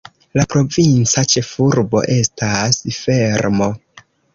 La provinca ĉefurbo estas Fermo.